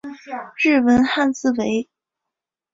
日文汉字为。